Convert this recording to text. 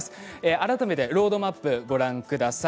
改めてロードマップをご覧ください。